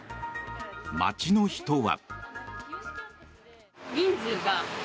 街の人は。